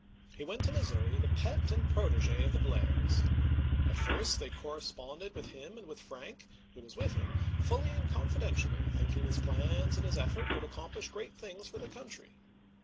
He went to Missouri the pet and protege of the Blairs. At first they corresponded with him and with Frank, who was with him, fully and confidentially, thinking his plans and his efforts would accomplish great things for the country.